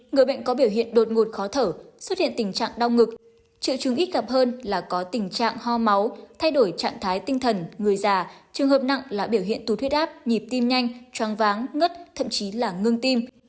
người bệnh có biểu hiện đột ngột khó thở xuất hiện tình trạng đau ngực triệu chứng ít gặp hơn là có tình trạng ho máu thay đổi trạng thái tinh thần người già trường hợp nặng là biểu hiện tù huyết áp nhịp tim nhanh chóng váng ngất thậm chí là ngưng tim